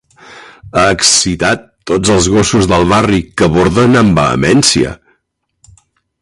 Ha excitat tots els gossos del barri, que borden amb vehemència.